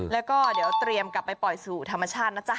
แล้วก็เดี๋ยวเตรียมกลับไปปล่อยสู่ธรรมชาตินะจ๊ะ